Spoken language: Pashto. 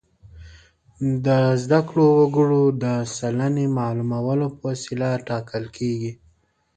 د زده کړو وګړو د سلنې معلومولو په وسیله ټاکل کیږي.